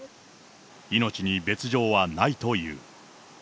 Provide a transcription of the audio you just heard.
命に別状はないという。